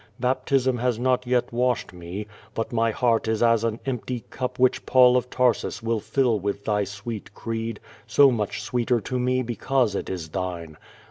Baptism has not yet washed me. But my heart is as an empty cup which Paul of Tarsus will fill with thy sweet creed, so much sweeter to me because it is thine.